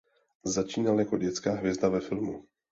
Začínal jako dětská hvězda ve filmu.